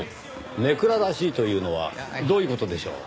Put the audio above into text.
ネクラらしいというのはどういう事でしょう？